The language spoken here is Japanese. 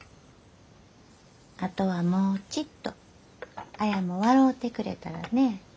あとはもうちっと綾も笑うてくれたらね。